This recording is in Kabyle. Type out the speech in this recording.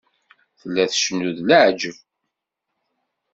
Tella tcennu d leɛǧeb.